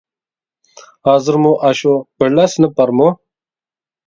ھازىرمۇ ئاشۇ بىرلا سىنىپ بارمۇ؟